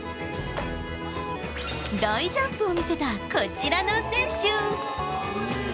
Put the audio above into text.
大ジャンプを見せたこちらの選手。